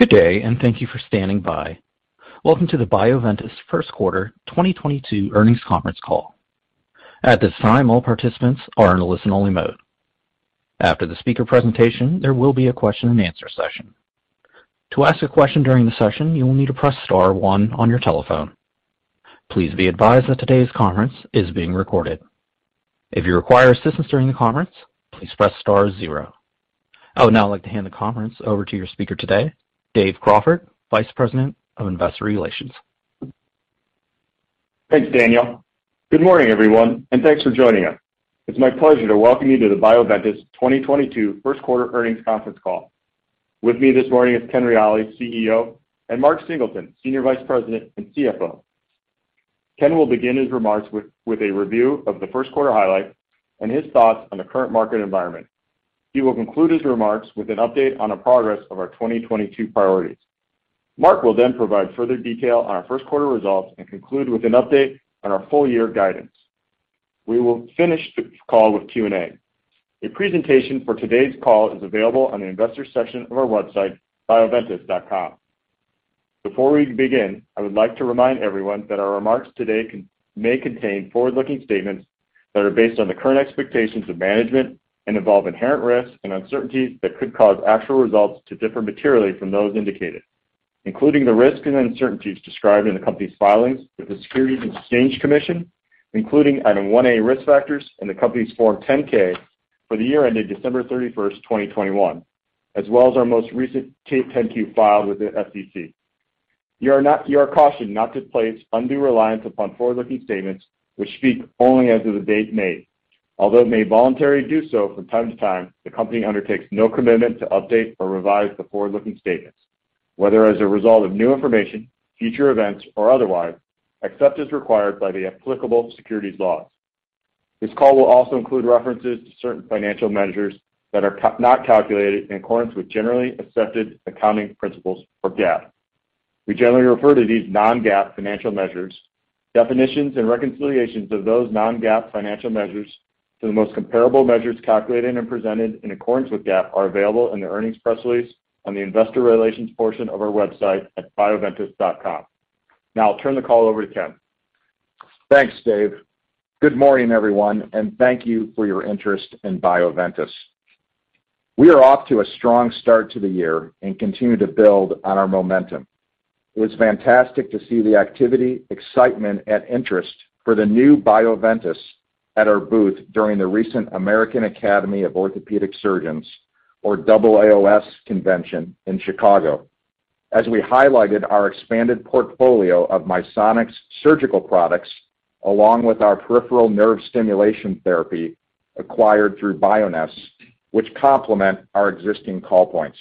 Good day, thank you for standing by. Welcome to the Bioventus Q1 2022 earnings conference call. At this time, all participants are in a listen-only mode. After the speaker presentation, there will be a question and answer session. To ask a question during the session, you will need to press star one on your telephone. Please be advised that today's conference is being recorded. If you require assistance during the conference, please press star zero. I would now like to hand the conference over to your speaker today, Dave Crawford, Vice President of Investor Relations. Thanks, Daniel. Good morning, everyone, and thanks for joining us. It's my pleasure to welcome you to the Bioventus 2022 Q1 earnings conference call. With me this morning is Ken Reali, CEO, and Mark Singleton, Senior Vice President and CFO. Ken will begin his remarks with a review of the Q1 highlights and his thoughts on the current market environment. He will conclude his remarks with an update on the progress of our 2022 priorities. Mark will then provide further detail on our Q1 results and conclude with an update on our full year guidance. We will finish the call with Q&A. A presentation for today's call is available on the investor section of our website, bioventus.com. Before we begin, I would like to remind everyone that our remarks today may contain forward-looking statements that are based on the current expectations of management and involve inherent risks and uncertainties that could cause actual results to differ materially from those indicated, including the risks and uncertainties described in the company's filings with the Securities and Exchange Commission, including Item 1A, risk factors in the company's Form 10-K for the year ended 31 December 2021, as well as our most recent 10-Q filed with the SEC. You are cautioned not to place undue reliance upon forward-looking statements which speak only as of the date made. Although it may voluntarily do so from time to time, the company undertakes no commitment to update or revise the forward-looking statements, whether as a result of new information, future events or otherwise, except as required by the applicable securities laws. This call will also include references to certain financial measures that are not calculated in accordance with generally accepted accounting principles or GAAP. We generally refer to these non-GAAP financial measures. Definitions and reconciliations of those non-GAAP financial measures to the most comparable measures calculated and presented in accordance with GAAP are available in the earnings press release on the investor relations portion of our website at bioventus.com. Now I'll turn the call over to Ken. Thanks, Dave. Good morning, everyone, and thank you for your interest in Bioventus. We are off to a strong start to the year and continue to build on our momentum. It was fantastic to see the activity, excitement and interest for the new Bioventus at our booth during the recent American Academy of Orthopaedic Surgeons or AAOS convention in Chicago. As we highlighted our expanded portfolio of Misonix surgical products along with our peripheral nerve stimulation therapy acquired through Bioness, which complement our existing call points.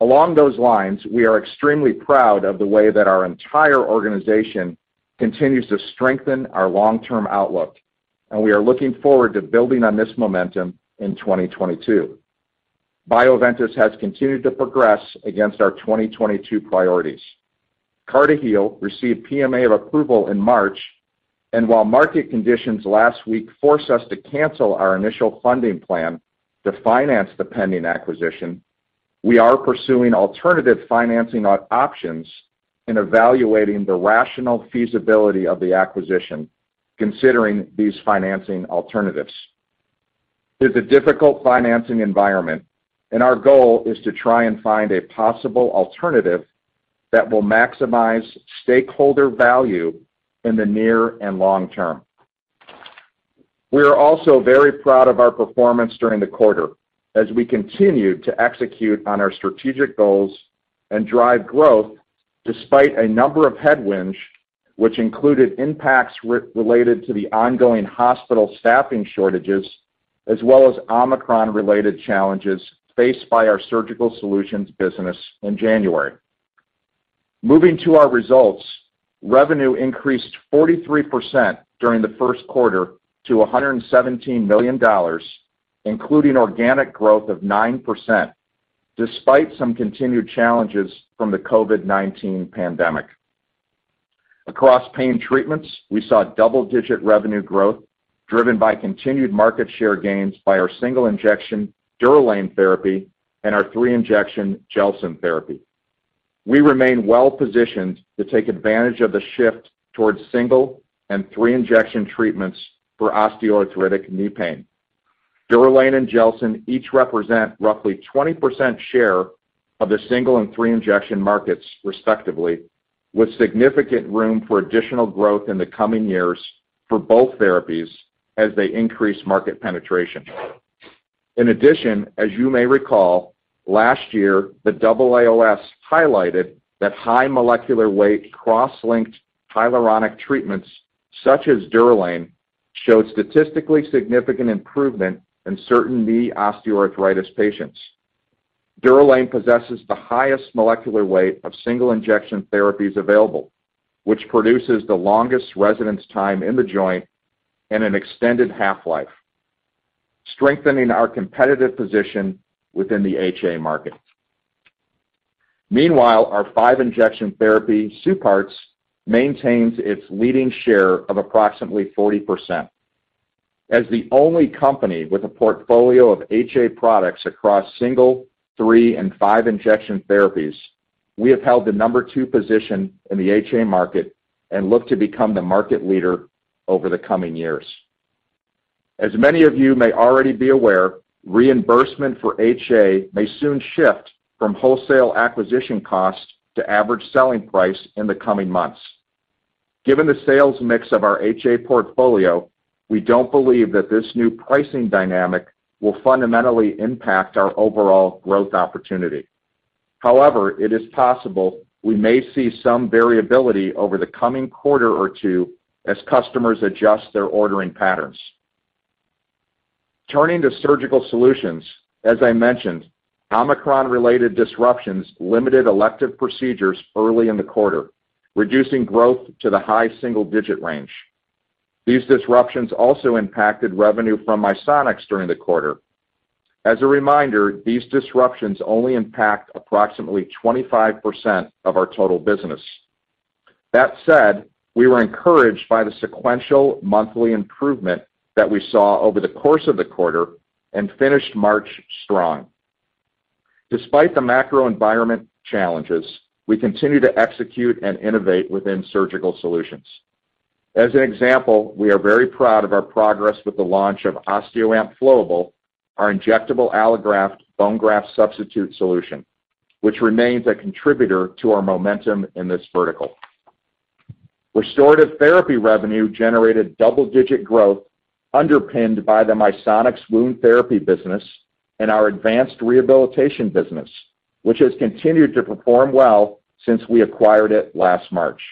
Along those lines, we are extremely proud of the way that our entire organization continues to strengthen our long-term outlook, and we are looking forward to building on this momentum in 2022. Bioventus has continued to progress against our 2022 priorities. CartiHeal received PMA approval in March, while market conditions last week forced us to cancel our initial funding plan to finance the pending acquisition. We are pursuing alternative financing options in evaluating the overall feasibility of the acquisition, considering these financing alternatives. It's a difficult financing environment, and our goal is to try and find a possible alternative that will maximize stakeholder value in the near and long term. We are also very proud of our performance during the quarter as we continued to execute on our strategic goals and drive growth despite a number of headwinds, which included impacts related to the ongoing hospital staffing shortages as well as Omicron-related challenges faced by our Surgical Solutions business in January. Moving to our results, revenue increased 43% during the Q1 to $117 million, including organic growth of 9% despite some continued challenges from the COVID-19 pandemic. Across Pain Treatments, we saw double-digit revenue growth driven by continued market share gains by our single injection DUROLANE therapy and our three injection GELSYN-3 therapy. We remain well positioned to take advantage of the shift towards single and three injection treatments for osteoarthritic knee pain. DUROLANE and GELSYN-3 each represent roughly 20% share of the single and three injection markets respectively, with significant room for additional growth in the coming years for both therapies as they increase market penetration. In addition, as you may recall, last year the AAOS highlighted that high molecular weight cross-linked hyaluronic treatments such as DUROLANE showed statistically significant improvement in certain knee osteoarthritis patients. DUROLANE possesses the highest molecular weight of single injection therapies available, which produces the longest residence time in the joint and an extended half-life, strengthening our competitive position within the HA market. Meanwhile, our five injection therapy, SUPARTZ FX, maintains its leading share of approximately 40%. As the only company with a portfolio of HA products across single, three, and five injection therapies, we have held the number two position in the HA market and look to become the market leader over the coming years. As many of you may already be aware, reimbursement for HA may soon shift from wholesale acquisition costs to average selling price in the coming months. Given the sales mix of our HA portfolio, we don't believe that this new pricing dynamic will fundamentally impact our overall growth opportunity. However, it is possible we may see some variability over the coming quarter or two as customers adjust their ordering patterns. Turning to Surgical Solutions, as I mentioned, Omicron-related disruptions limited elective procedures early in the quarter, reducing growth to the high single-digit range. These disruptions also impacted revenue from Misonix during the quarter. As a reminder, these disruptions only impact approximately 25% of our total business. That said, we were encouraged by the sequential monthly improvement that we saw over the course of the quarter and finished March strong. Despite the macro environment challenges, we continue to execute and innovate within Surgical Solutions. As an example, we are very proud of our progress with the launch of OSTEOAMP SELECT Flowable, our injectable allograft bone graft substitute solution, which remains a contributor to our momentum in this vertical. Restorative Therapies revenue generated double-digit growth underpinned by the Misonix wound therapy business and our advanced rehabilitation business, which has continued to perform well since we acquired it last March.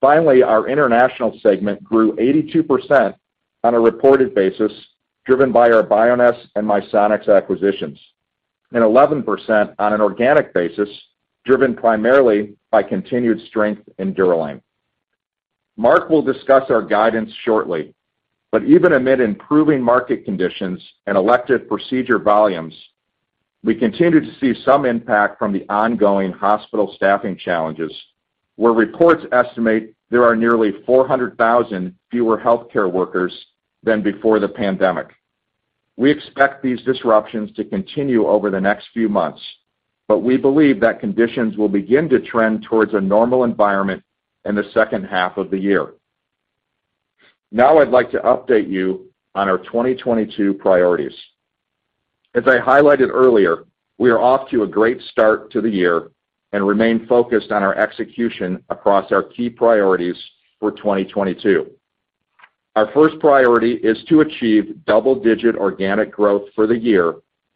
Finally, our international segment grew 82% on a reported basis, driven by our Bioness and Misonix acquisitions, and 11% on an organic basis, driven primarily by continued strength in DUROLANE. Mark will discuss our guidance shortly. Even amid improving market conditions and elective procedure volumes, we continue to see some impact from the ongoing hospital staffing challenges, where reports estimate there are nearly 400,000 fewer healthcare workers than before the pandemic. We expect these disruptions to continue over the next few months, but we believe that conditions will begin to trend towards a normal environment in the H2 of the year. Now I'd like to update you on our 2022 priorities. As I highlighted earlier, we are off to a great start to the year and remain focused on our execution across our key priorities for 2022. Our first priority is to achieve double-digit organic growth for the year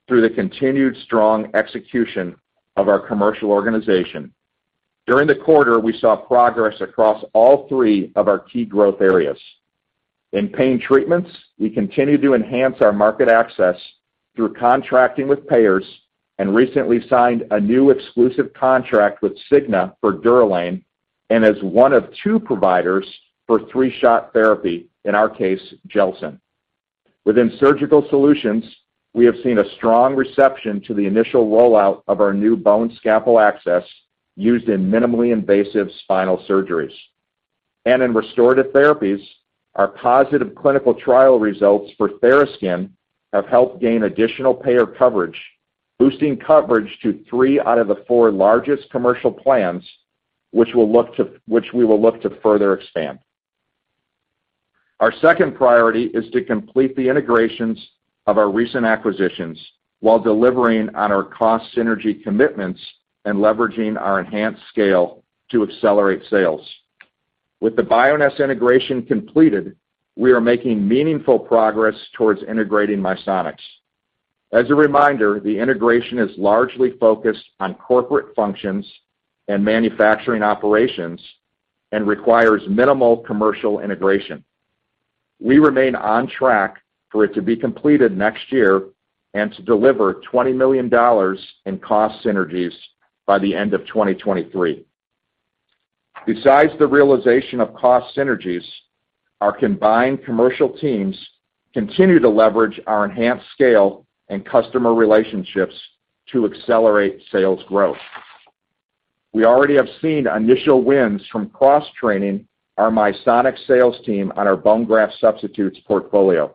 through the continued strong execution of our commercial organization. During the quarter, we saw progress across all three of our key growth areas. In Pain Treatments, we continue to enhance our market access through contracting with payers and recently signed a new exclusive contract with Cigna for DUROLANE, and as one of two providers for three shot therapy, in our case, GELSYN-3. Within Surgical Solutions, we have seen a strong reception to the initial rollout of our new BoneScalpel Access used in minimally invasive spinal surgeries. In restorative therapies, our positive clinical trial results for TheraSkin have helped gain additional payer coverage, boosting coverage to three out of the four largest commercial plans, which we will look to further expand. Our second priority is to complete the integrations of our recent acquisitions while delivering on our cost synergy commitments and leveraging our enhanced scale to accelerate sales. With the Bioness integration completed, we are making meaningful progress towards integrating Misonix. As a reminder, the integration is largely focused on corporate functions and manufacturing operations and requires minimal commercial integration. We remain on track for it to be completed next year and to deliver $20 million in cost synergies by the end of 2023. Besides the realization of cost synergies, our combined commercial teams continue to leverage our enhanced scale and customer relationships to accelerate sales growth. We already have seen initial wins from cross-training our Misonix sales team on our bone graft substitutes portfolio.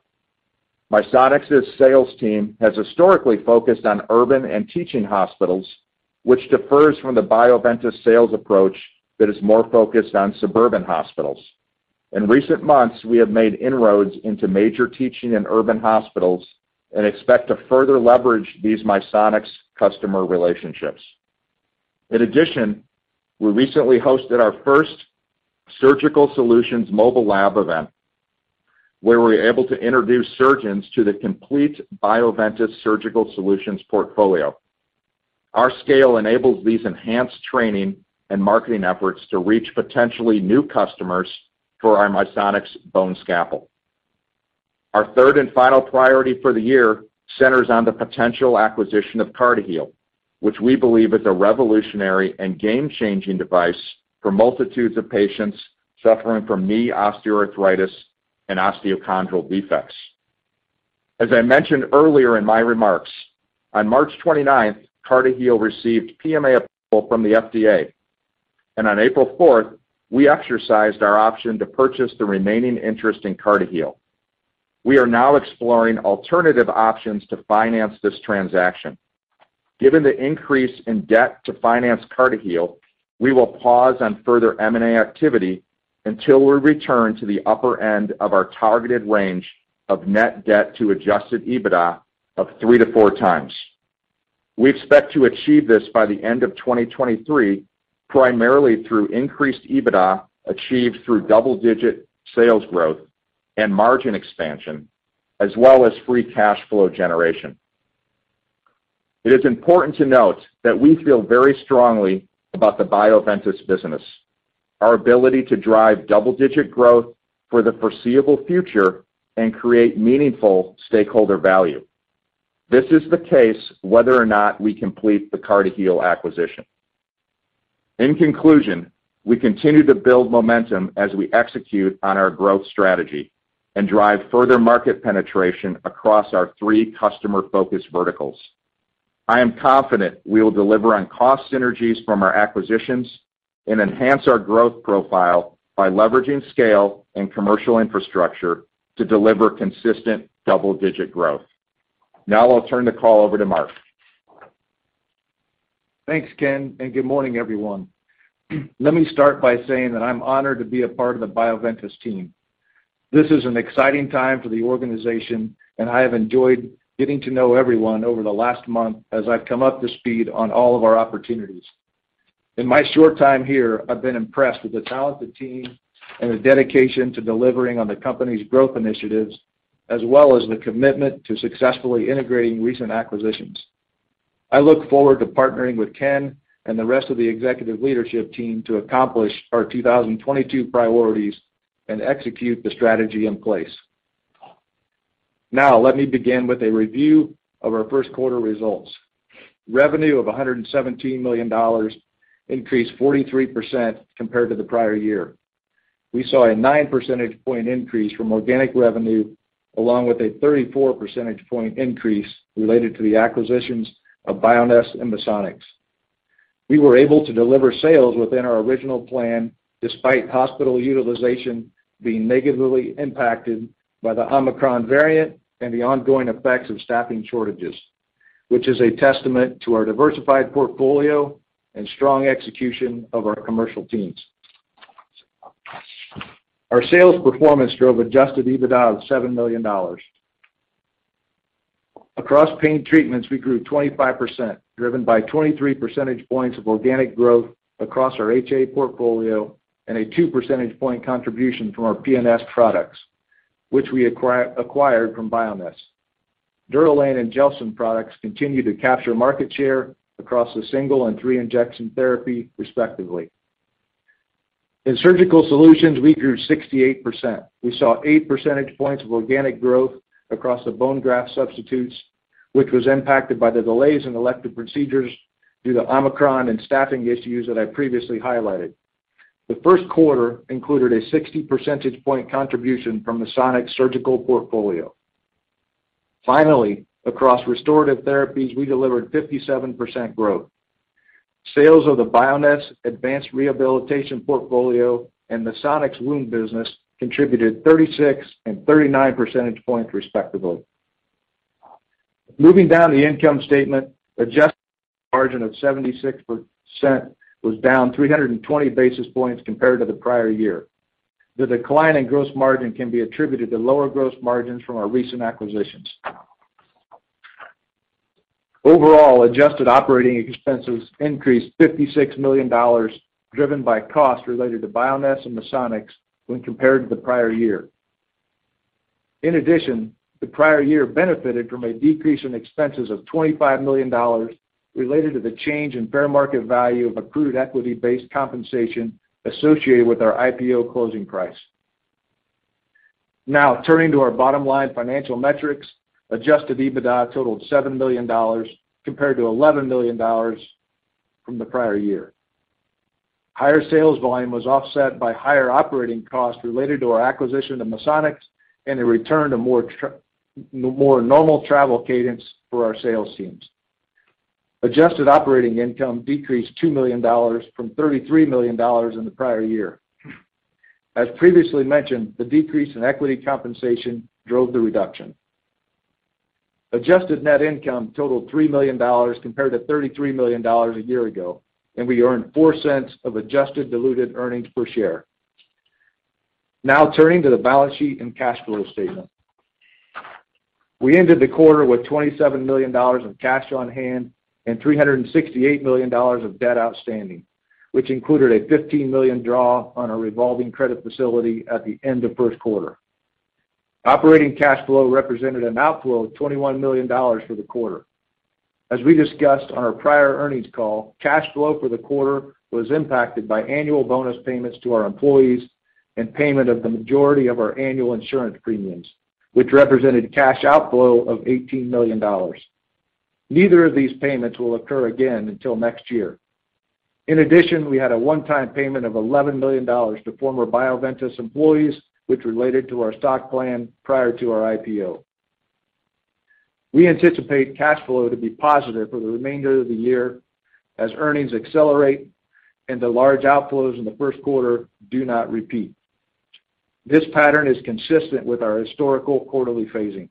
Misonix's sales team has historically focused on urban and teaching hospitals, which differs from the Bioventus sales approach that is more focused on suburban hospitals. In recent months, we have made inroads into major teaching and urban hospitals and expect to further leverage these Misonix customer relationships. In addition, we recently hosted our first Surgical Solutions mobile lab event, where we're able to introduce surgeons to the complete Bioventus Surgical Solutions portfolio. Our scale enables these enhanced training and marketing efforts to reach potentially new customers for our Misonix BoneScalpel. Our third and final priority for the year centers on the potential acquisition of CartiHeal, which we believe is a revolutionary and game-changing device for multitudes of patients suffering from knee osteoarthritis and osteochondral defects. As I mentioned earlier in my remarks, on 29 March CartiHeal received PMA approval from the FDA, and on 4 April, we exercised our option to purchase the remaining interest in CartiHeal. We are now exploring alternative options to finance this transaction. Given the increase in debt to finance CartiHeal, we will pause on further M&A activity until we return to the upper end of our targeted range of net debt to adjusted EBITDA of three to four times. We expect to achieve this by the end of 2023, primarily through increased EBITDA achieved through double-digit sales growth and margin expansion, as well as free cash flow generation. It is important to note that we feel very strongly about the Bioventus business, our ability to drive double-digit growth for the foreseeable future and create meaningful stakeholder value. This is the case whether or not we complete the CartiHeal acquisition. In conclusion, we continue to build momentum as we execute on our growth strategy and drive further market penetration across our three customer-focused verticals. I am confident we will deliver on cost synergies from our acquisitions and enhance our growth profile by leveraging scale and commercial infrastructure to deliver consistent double-digit growth. Now I'll turn the call over to Mark. Thanks, Ken, and good morning, everyone. Let me start by saying that I'm honored to be a part of the Bioventus team. This is an exciting time for the organization, and I have enjoyed getting to know everyone over the last month as I've come up to speed on all of our opportunities. In my short time here, I've been impressed with the talented team and the dedication to delivering on the company's growth initiatives, as well as the commitment to successfully integrating recent acquisitions. I look forward to partnering with Ken and the rest of the executive leadership team to accomplish our 2022 priorities and execute the strategy in place. Now, let me begin with a review of our Q1 results. Revenue of $117 million increased 43% compared to the prior year. We saw a nine percentage point increase from organic revenue, along with a 34 percentage point increase related to the acquisitions of Bioness and Misonix. We were able to deliver sales within our original plan despite hospital utilization being negatively impacted by the Omicron variant and the ongoing effects of staffing shortages, which is a testament to our diversified portfolio and strong execution of our commercial teams. Our sales performance drove adjusted EBITDA of $7 million. Across Pain Treatments, we grew 25%, driven by 23 percentage points of organic growth across our HA portfolio and a two percentage point contribution from our PNS products, which we acquired from Bioness. DUROLANE and GELSYN-3 products continue to capture market share across the single- and 3-injection therapy, respectively. In Surgical Solutions, we grew 68%. We saw eight percentage points of organic growth across the bone graft substitutes, which was impacted by the delays in elective procedures due to Omicron and staffing issues that I previously highlighted. The Q1 included a 60 percentage point contribution from Misonix surgical portfolio. Finally, across Restorative Therapies, we delivered 57% growth. Sales of the Bioness advanced rehabilitation portfolio and Misonix wound business contributed 36 and 39 percentage points, respectively. Moving down the income statement, adjusted margin of 76% was down 320 basis points compared to the prior year. The decline in gross margin can be attributed to lower gross margins from our recent acquisitions. Overall, adjusted operating expenses increased $56 million, driven by costs related to Bioness and Misonix when compared to the prior year. In addition, the prior year benefited from a decrease in expenses of $25 million related to the change in fair market value of accrued equity-based compensation associated with our IPO closing price. Now, turning to our bottom line financial metrics, adjusted EBITDA totaled $7 million compared to $11 million from the prior year. Higher sales volume was offset by higher operating costs related to our acquisition of Misonix and a return to more normal travel cadence for our sales teams. Adjusted operating income decreased $2 million from $33 million in the prior year. As previously mentioned, the decrease in equity compensation drove the reduction. Adjusted net income totaled $3 million compared to $33 million a year ago, and we earned $0.04 of adjusted diluted earnings per share. Now turning to the balance sheet and cash flow statement. We ended the quarter with $27 million of cash on hand and $368 million of debt outstanding, which included a $15 million draw on our revolving credit facility at the end of Q1. Operating cash flow represented an outflow of $21 million for the quarter. As we discussed on our prior earnings call, cash flow for the quarter was impacted by annual bonus payments to our employees and payment of the majority of our annual insurance premiums, which represented cash outflow of $18 million. Neither of these payments will occur again until next year. In addition, we had a one-time payment of $11 million to former Bioventus employees, which related to our stock plan prior to our IPO. We anticipate cash flow to be positive for the remainder of the year as earnings accelerate and the large outflows in the Q1 do not repeat. This pattern is consistent with our historical quarterly phasing.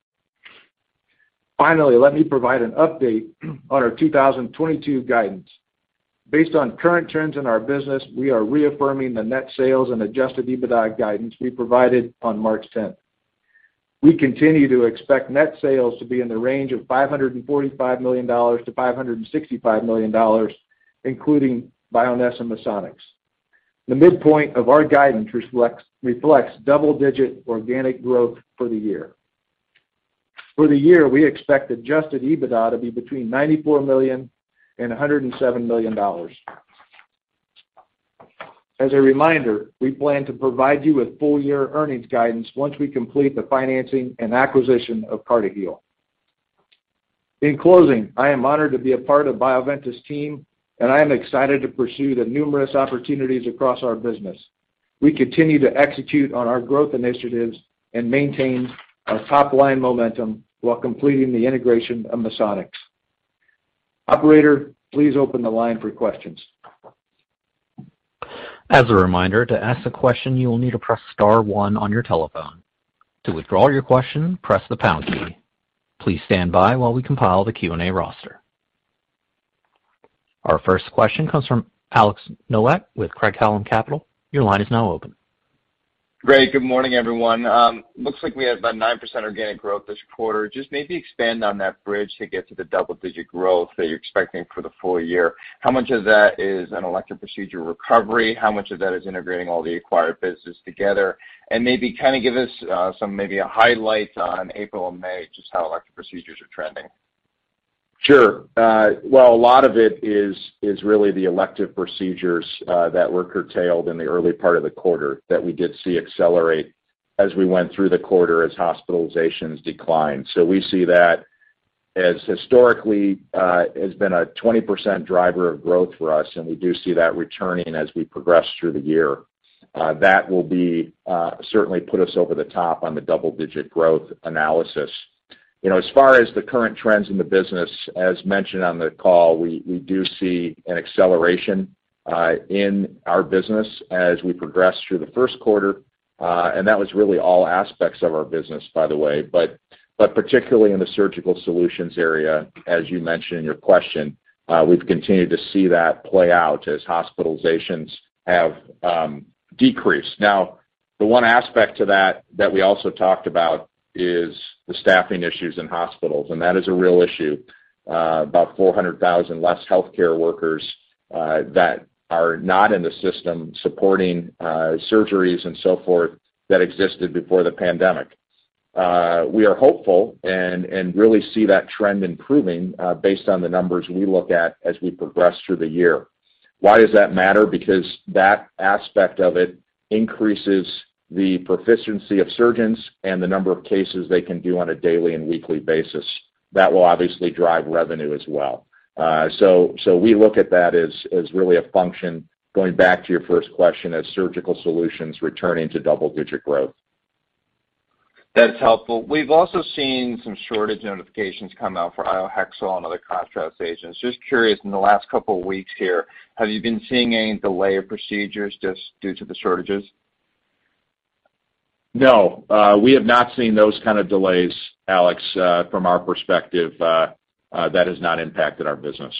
Finally, let me provide an update on our 2022 guidance. Based on current trends in our business, we are reaffirming the net sales and adjusted EBITDA guidance we provided on 10 March. We continue to expect net sales to be in the range of $545 million-$565 million, including Bioness and Misonix. The midpoint of our guidance reflects double-digit organic growth for the year. For the year, we expect adjusted EBITDA to be between $94 million and $107 million. As a reminder, we plan to provide you with full year earnings guidance once we complete the financing and acquisition of CartiHeal. In closing, I am honored to be a part of Bioventus team, and I am excited to pursue the numerous opportunities across our business. We continue to execute on our growth initiatives and maintain our top-line momentum while completing the integration of Misonix. Operator, please open the line for questions. As a reminder, to ask a question, you will need to press star one on your telephone. To withdraw your question, press the pound key. Please stand by while we compile the Q&A roster. Our first question comes from Alex Nowak with Craig-Hallum Capital. Your line is now open. Great. Good morning, everyone. Looks like we had about 9% organic growth this quarter. Just maybe expand on that bridge to get to the double-digit growth that you're expecting for the full year. How much of that is an elective procedure recovery? How much of that is integrating all the acquired businesses together? Maybe kind of give us some maybe a highlight on April and May, just how elective procedures are trending. Sure. Well, a lot of it is really the elective procedures that were curtailed in the early part of the quarter that we did see accelerate as we went through the quarter as hospitalizations declined. We see that as historically has been a 20% driver of growth for us, and we do see that returning as we progress through the year. That will be certainly put us over the top on the double-digit growth analysis. You know, as far as the current trends in the business, as mentioned on the call, we do see an acceleration in our business as we progress through the Q1, and that was really all aspects of our business, by the way. Particularly in the Surgical Solutions area, as you mentioned in your question, we've continued to see that play out as hospitalizations have decreased. Now, the one aspect to that we also talked about is the staffing issues in hospitals, and that is a real issue, about 400,000 fewer healthcare workers that are not in the system supporting surgeries and so forth that existed before the pandemic. We are hopeful and really see that trend improving, based on the numbers we look at as we progress through the year. Why does that matter? Because that aspect of it increases the proficiency of surgeons and the number of cases they can do on a daily and weekly basis. That will obviously drive revenue as well. We look at that as really a function going back to your first question as Surgical Solutions returning to double-digit growth. That's helpful. We've also seen some shortage notifications come out for iohexol and other contrast agents. Just curious, in the last couple of weeks here, have you been seeing any delay of procedures just due to the shortages? No, we have not seen those kind of delays, Alex. From our perspective, that has not impacted our business.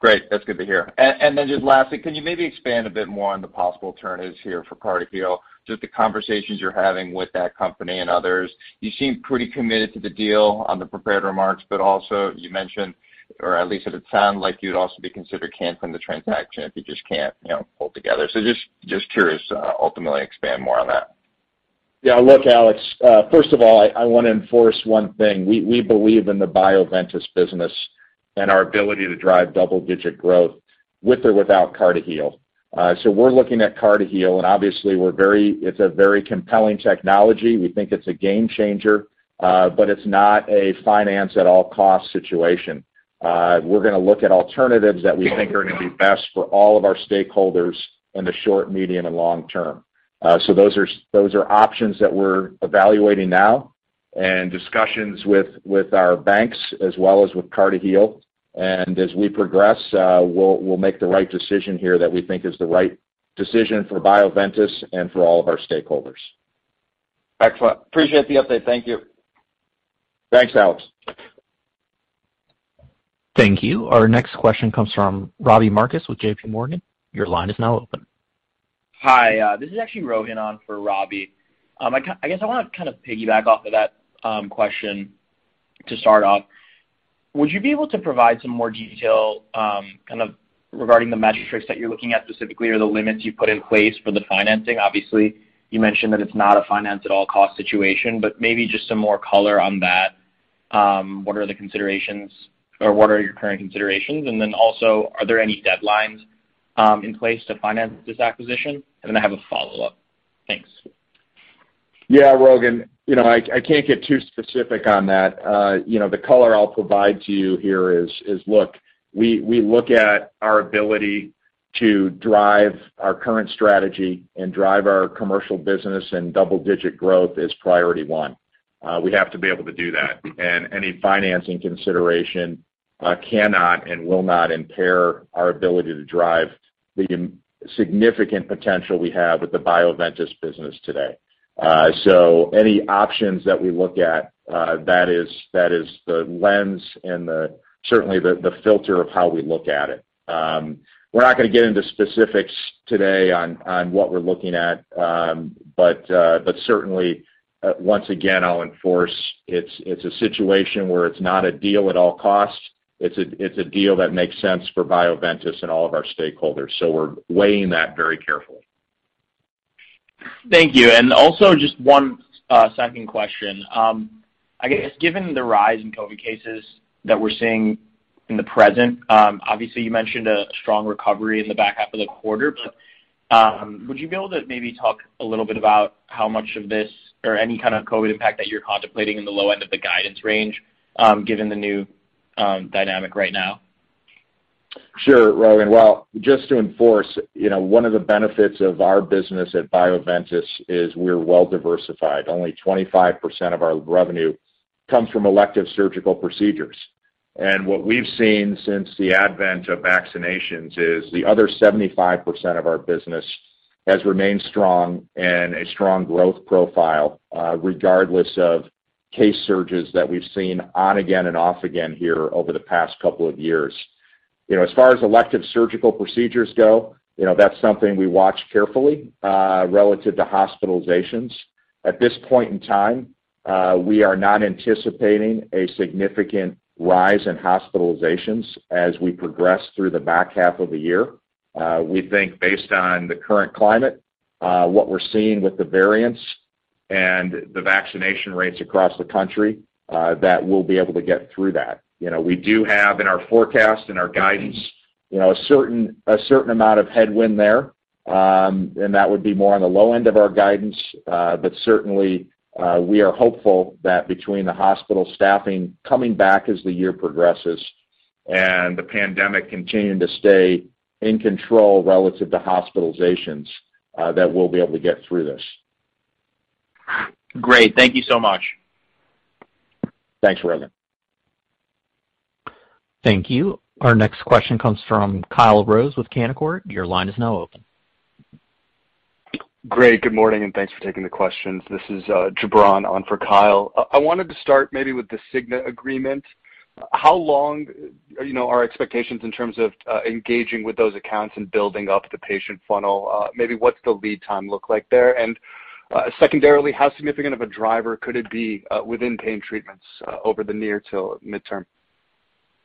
Great. That's good to hear. Then just lastly, can you maybe expand a bit more on the possible alternatives here for CartiHeal, just the conversations you're having with that company and others. You seem pretty committed to the deal on the prepared remarks, but also you mentioned, or at least it had sounded like you'd also be considering canceling the transaction if you just can't, you know, pull together. Just curious, ultimately expand more on that. Yeah, look, Alex, first of all, I wanna enforce one thing. We believe in the Bioventus business and our ability to drive double-digit growth with or without CartiHeal. So we're looking at CartiHeal, and obviously it's a very compelling technology. We think it's a game changer, but it's not a frenzy at all costs situation. We're gonna look at alternatives that we think are gonna be best for all of our stakeholders in the short, medium, and long term. So those are options that we're evaluating now and discussions with our banks as well as with CartiHeal. As we progress, we'll make the right decision here that we think is the right decision for Bioventus and for all of our stakeholders. Excellent. Appreciate the update. Thank you. Thanks, Alex. Thank you. Our next question comes from Robbie Marcus with JPMorgan. Your line is now open. Hi, this is actually Rohan on for Robbie. I guess I wanna kind of piggyback off of that question to start off. Would you be able to provide some more detail kind of regarding the metrics that you're looking at specifically or the limits you put in place for the financing? Obviously, you mentioned that it's not a finance at all cost situation, but maybe just some more color on that. What are the considerations or what are your current considerations? Are there any deadlines in place to finance this acquisition? I have a follow-up. Thanks. Yeah, Rohan, you know, I can't get too specific on that. The color I'll provide to you here is, look, we look at our ability to drive our current strategy and drive our commercial business and double-digit growth as priority one. We have to be able to do that. Any financing consideration cannot and will not impair our ability to drive the significant potential we have with the Bioventus business today. Any options that we look at, that is the lens and certainly the filter of how we look at it. We're not gonna get into specifics today on what we're looking at. Certainly, once again, I'll emphasize it's a situation where it's not a deal at all costs. It's a deal that makes sense for Bioventus and all of our stakeholders. We're weighing that very carefully. Thank you. Also just one second question. I guess given the rise in COVID cases that we're seeing in the present, obviously, you mentioned a strong recovery in the back half of the quarter. Would you be able to maybe talk a little bit about how much of this or any kind of COVID impact that you're contemplating in the low end of the guidance range, given the new dynamic right now? Sure, Rohan. Well, just to enforce, you know, one of the benefits of our business at Bioventus is we're well diversified. Only 25% of our revenue comes from elective surgical procedures. What we've seen since the advent of vaccinations is the other 75% of our business has remained strong and a strong growth profile, regardless of case surges that we've seen on again and off again here over the past couple of years. You know, as far as elective surgical procedures go, you know, that's something we watch carefully, relative to hospitalizations. At this point in time, we are not anticipating a significant rise in hospitalizations as we progress through the back half of the year. We think based on the current climate, what we're seeing with the variants and the vaccination rates across the country, that we'll be able to get through that. You know, we do have in our forecast and our guidance, you know, a certain amount of headwind there, and that would be more on the low end of our guidance. Certainly, we are hopeful that between the hospital staffing coming back as the year progresses and the pandemic continuing to stay in control relative to hospitalizations, that we'll be able to get through this. Great. Thank you so much. Thanks, Rohan. Thank you. Our next question comes from Kyle Rose with Canaccord. Your line is now open. Great, good morning, and thanks for taking the questions. This is Jubran on for Kyle. I wanted to start maybe with the Cigna agreement. How long, you know, are expectations in terms of engaging with those accounts and building up the patient funnel? Maybe what's the lead time look like there? And secondarily, how significant of a driver could it be within Pain Treatments over the near to midterm?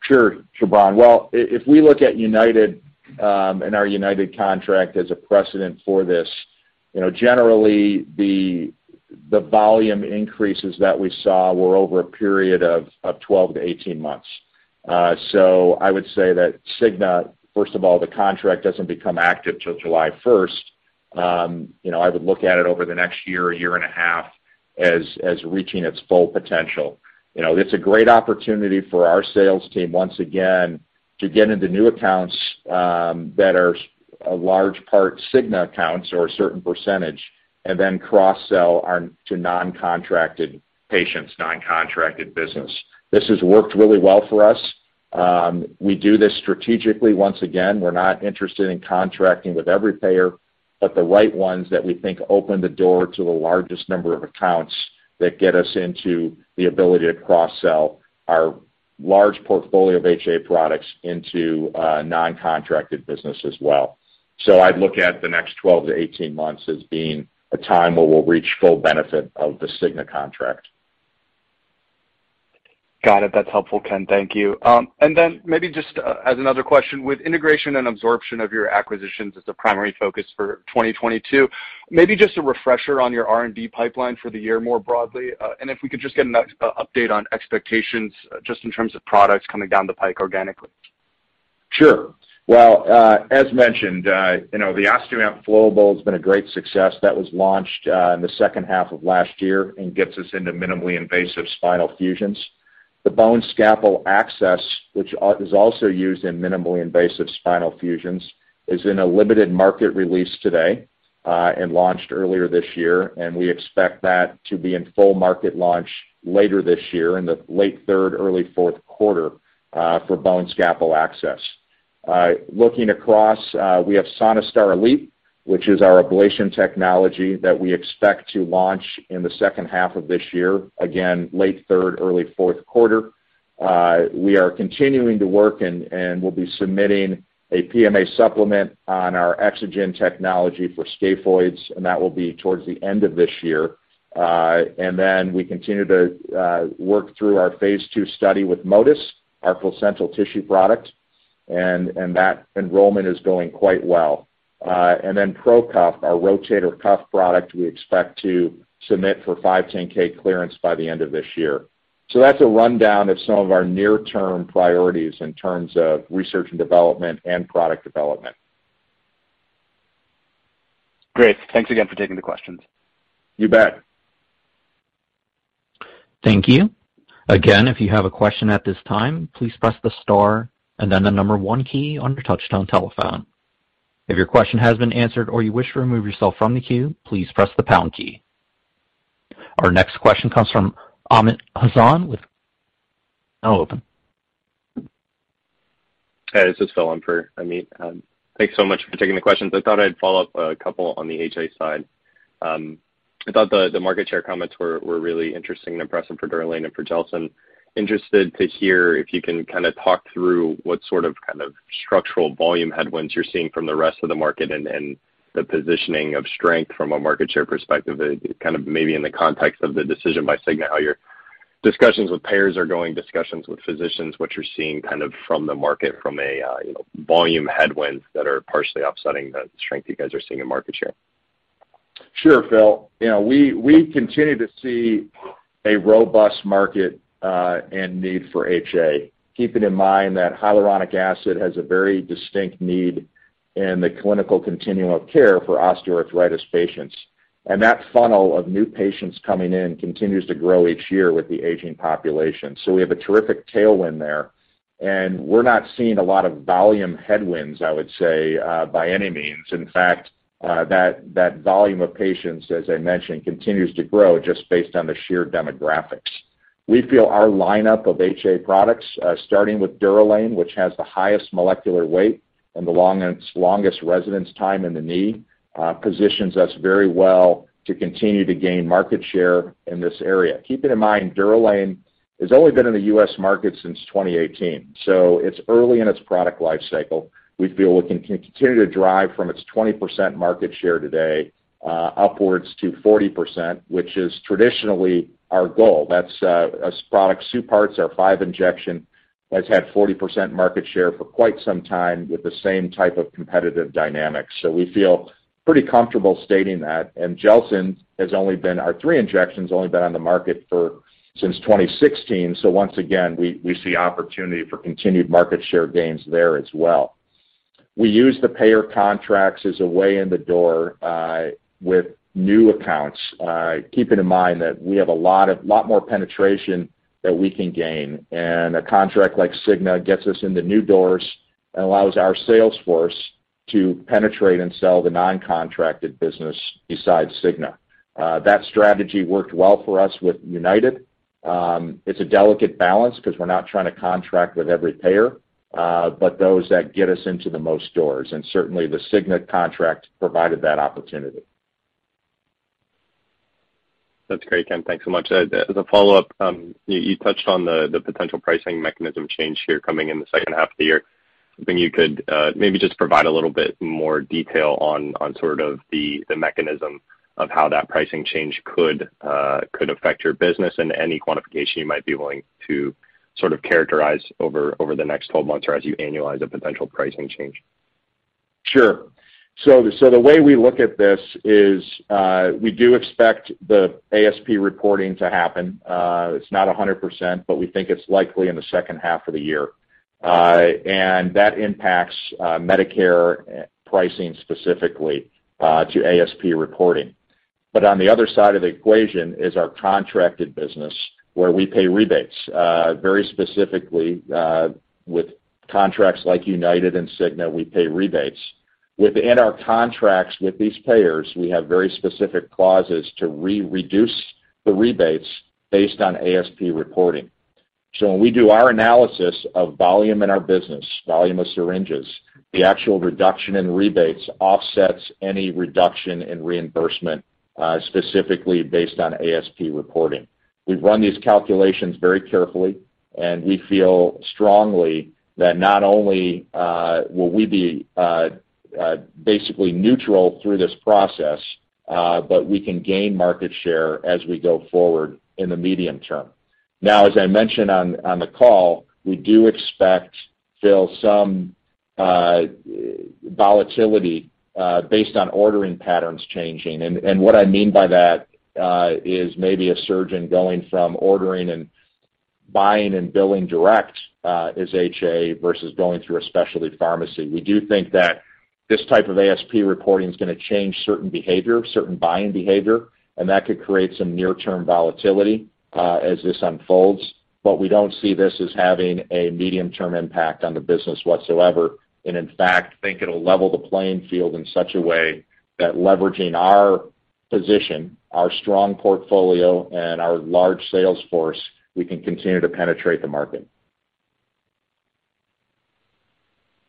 Sure, Jubran. Well, if we look at UnitedHealthcare, and our UnitedHealthcare contract as a precedent for this, you know, generally the volume increases that we saw were over a period of 12-18 months. I would say that Cigna, first of all, the contract doesn't become active till 1 July. You know, I would look at it over the next year and a half as reaching its full potential. You know, it's a great opportunity for our sales team, once again, to get into new accounts, that are a large part Cigna accounts or a certain percentage, and then cross-sell our to non-contracted patients, non-contracted business. This has worked really well for us. We do this strategically. Once again, we're not interested in contracting with every payer, but the right ones that we think open the door to the largest number of accounts that get us into the ability to cross-sell our large portfolio of HA products into non-contracted business as well. I'd look at the next 12-18 months as being a time where we'll reach full benefit of the Cigna contract. Got it. That's helpful, Ken. Thank you. Maybe just as another question, with integration and absorption of your acquisitions as a primary focus for 2022, maybe just a refresher on your R&D pipeline for the year more broadly. If we could just get an update on expectations just in terms of products coming down the pike organically. Sure. Well, as mentioned, you know, the OSTEOAMP Flowable has been a great success. That was launched in the H2 of last year and gets us into minimally invasive spinal fusions. The BoneScalpel Access, which is also used in minimally invasive spinal fusions, is in a limited market release today, and launched earlier this year, and we expect that to be in full market launch later this year in the late third, early Q4, for BoneScalpel Access. Looking across, we have SonaStar Elite, which is our ablation technology that we expect to launch in the H2 of this year, again, late third, early Q4. We are continuing to work and we'll be submitting a PMA supplement on our EXOGEN technology for scaphoids, and that will be towards the end of this year. We continue to work through our Phase II study with MOTYS, our placental tissue product, and that enrollment is going quite well. PROcuff, our rotator cuff product, we expect to submit for 510K clearance by the end of this year. That's a rundown of some of our near-term priorities in terms of research and development and product development. Great. Thanks again for taking the questions. You bet. Thank you. Again, if you have a question at this time, please press the star and then the number one key on your touchtone telephone. If your question has been answered or you wish to remove yourself from the queue, please press the pound key. Our next question comes from Amit Hazan with Goldman Sachs. Hey, this is Philip. I mean, thanks so much for taking the questions. I thought I'd follow up a couple on the HA side. I thought the market share comments were really interesting and impressive for DUROLANE and for GELSYN-3. Interested to hear if you can kinda talk through what sort of kind of structural volume headwinds you're seeing from the rest of the market and the positioning of strength from a market share perspective. Kind of maybe in the context of the decision by Cigna, how your discussions with payers are going, discussions with physicians, what you're seeing kind of from the market from a you know, volume headwinds that are partially offsetting the strength you guys are seeing in market share. Sure, Phil. You know, we continue to see a robust market and need for HA. Keeping in mind that hyaluronic acid has a very distinct need in the clinical continuum of care for osteoarthritis patients. That funnel of new patients coming in continues to grow each year with the aging population. We have a terrific tailwind there, and we're not seeing a lot of volume headwinds, I would say, by any means. In fact, that volume of patients, as I mentioned, continues to grow just based on the sheer demographics. We feel our lineup of HA products, starting with DUROLANE, which has the highest molecular weight and its longest residence time in the knee, positions us very well to continue to gain market share in this area. Keeping in mind, DUROLANE has only been in the U.S. market since 2018, so it's early in its product life cycle. We feel we can continue to drive from its 20% market share today, upwards to 40%, which is traditionally our goal. That's as product SUPARTZ FX, our five injection, has had 40% market share for quite some time with the same type of competitive dynamics. We feel pretty comfortable stating that. GELSYN-3, our three injections, has only been on the market since 2016, so once again, we see opportunity for continued market share gains there as well. We use the payer contracts as a way in the door with new accounts. Keeping in mind that we have a lot more penetration that we can gain. A contract like Cigna gets us into new doors and allows our sales force to penetrate and sell the non-contracted business besides Cigna. That strategy worked well for us with United. It's a delicate balance 'cause we're not trying to contract with every payer, but those that get us into the most doors, and certainly, the Cigna contract provided that opportunity. That's great, Ken. Thanks so much. As a follow-up, you touched on the potential pricing mechanism change here coming in the H2 of the year. Something you could maybe just provide a little bit more detail on sort of the mechanism of how that pricing change could affect your business and any quantification you might be willing to sort of characterize over the next 12 months or as you annualize a potential pricing change. Sure. The way we look at this is, we do expect the ASP reporting to happen. It's not 100%, but we think it's likely in the H2 of the year. That impacts Medicare pricing specifically to ASP reporting. On the other side of the equation is our contracted business, where we pay rebates very specifically with contracts like UnitedHealthcare and Cigna, we pay rebates. Within our contracts with these payers, we have very specific clauses to reduce the rebates based on ASP reporting. When we do our analysis of volume in our business, volume of syringes, the actual reduction in rebates offsets any reduction in reimbursement specifically based on ASP reporting. We've run these calculations very carefully, and we feel strongly that not only will we be basically neutral through this process but we can gain market share as we go forward in the medium term. Now, as I mentioned on the call, we do expect, Philip, some volatility based on ordering patterns changing. What I mean by that is maybe a surgeon going from ordering and buying and billing direct as HA versus going through a specialty pharmacy. We do think that this type of ASP reporting is gonna change certain behavior, certain buying behavior, and that could create some near-term volatility as this unfolds. We don't see this as having a medium-term impact on the business whatsoever, and in fact, think it'll level the playing field in such a way that leveraging our position, our strong portfolio, and our large sales force, we can continue to penetrate the market.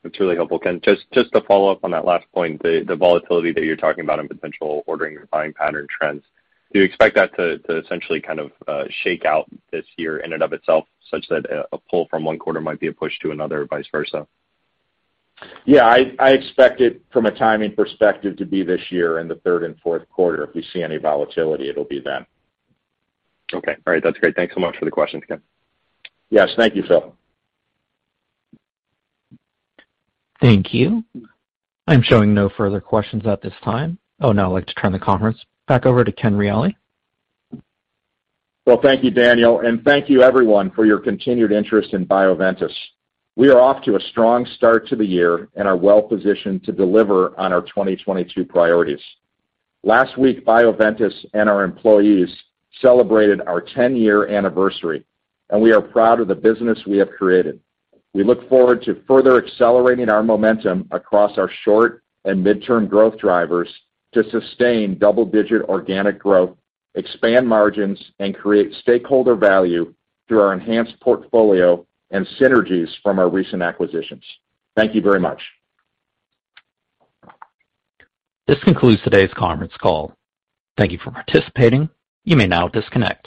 That's really helpful, Ken. Just to follow up on that last point, the volatility that you're talking about in potential ordering and buying pattern trends, do you expect that to essentially kind of shake out this year in and of itself such that a pull from one quarter might be a push to another vice versa? Yeah. I expect it from a timing perspective to be this year in the third and Q4. If we see any volatility, it'll be then. Okay. All right. That's great. Thanks so much for the questions, Ken. Yes. Thank you, Phil. Thank you. I'm showing no further questions at this time. Oh, now I'd like to turn the conference back over to Ken Reali. Well, thank you, Daniel, and thank you everyone for your continued interest in Bioventus. We are off to a strong start to the year and are well-positioned to deliver on our 2022 priorities. Last week, Bioventus and our employees celebrated our 10-year anniversary, and we are proud of the business we have created. We look forward to further accelerating our momentum across our short and midterm growth drivers to sustain double-digit organic growth, expand margins, and create stakeholder value through our enhanced portfolio and synergies from our recent acquisitions. Thank you very much. This concludes today's conference call. Thank you for participating. You may now disconnect.